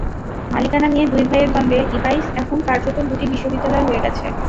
মালিকানা নিয়ে দুই ভাইয়ের দ্বন্দ্বে ইবাইস এখন কার্যত দুটি বিশ্ববিদ্যালয় হয়ে গেছে।